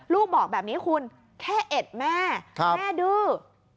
ลูกบอกแบบนี้คุณแค่เอ็ดแม่แม่ดื้อ